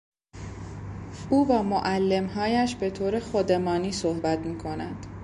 او با معلمهایش به طور خودمانی صحبت میکند.